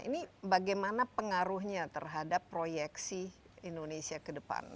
ini bagaimana pengaruhnya terhadap proyeksi indonesia ke depan